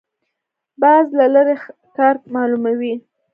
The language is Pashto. باز له لرې ښکار معلوموي